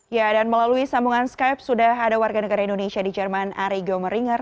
ya dan melalui sambungan skype sudah ada warga negara indonesia di jerman arigo meringer